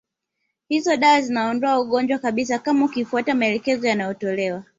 Hizo dawa zinaondoa ugonjwa kabisa kama ukifuata maelekezo yanayotolewa